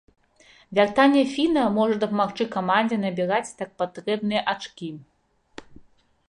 Вяртанне фіна можа дапамагчы камандзе набіраць так патрэбныя ачкі.